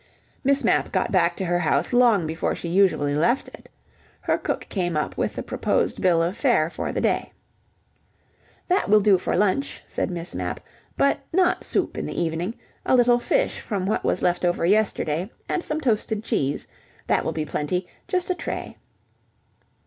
..." Miss Mapp got back to her house long before she usually left it. Her cook came up with the proposed bill of fare for the day. "That will do for lunch," said Miss Mapp. "But not soup in the evening. A little fish from what was left over yesterday, and some toasted cheese. That will be plenty. Just a tray."